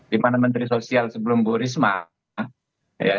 di mana menteri sosial sebelum bu risma